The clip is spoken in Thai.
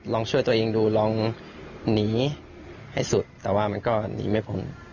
ช่วยตัวเองดูลองหนีให้สุดแต่ว่ามันก็หนีไม่พ้น